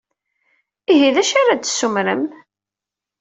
Ihi, d acu ara d-tessumrem?